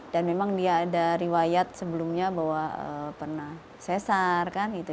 dan memang dia ada riwayat sebelumnya bahwa pernah sesar kan gitu